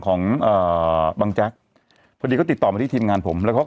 ของเอ่อบังแจ๊กพอดีก็ติดต่อมาที่ทีมงานผมแล้วเขา